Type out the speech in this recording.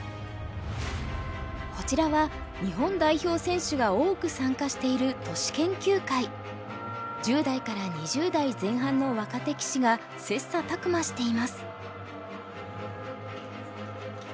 こちらは日本代表選手が多く参加している１０代から２０代前半の若手棋士が切磋琢磨しています。